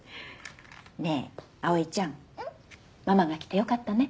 ねえ碧唯ちゃんママが来てよかったね。